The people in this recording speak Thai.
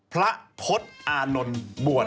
พระพฤษอานนท์บวช